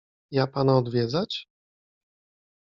— Ja pana odwiedzać?